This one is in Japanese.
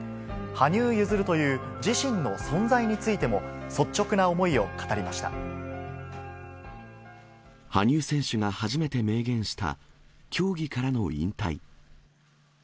羽生結弦という自身の存在についても、羽生選手が初めて明言した、競技からの引退。